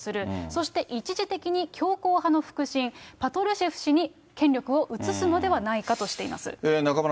そして一時的に強硬派の腹心、パトルシェフ氏に移すのではないかとしています。